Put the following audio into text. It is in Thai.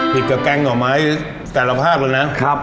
กับแกงหน่อไม้แต่ละภาพเลยนะ